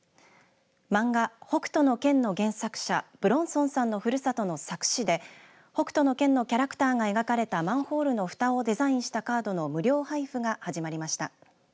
漫画、北斗の拳の原作者武論尊さんのふるさとの佐久市で北斗の拳のキャラクターが描かれたマンホールのふたをデザインしたカードの無料配布が始まりました。